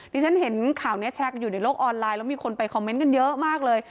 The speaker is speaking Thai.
ที่ฉันเห็นข่าวนี้แชร์กันอยู่ในโลกออนไลน์แล้วมีคนไปคอมเมนต์กันเยอะมากเลย